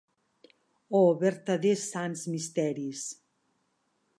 Oh vertaders sants misteris!